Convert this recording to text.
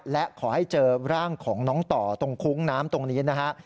และขอให้เจอร่างของน้องต่อตรงคุ้งน้ำตรงนี้นะฮะ